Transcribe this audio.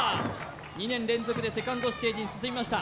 ２年連続でセカンドステージに進みました